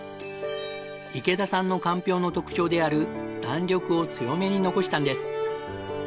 池田さんのかんぴょうの特徴である弾力を強めに残したんです。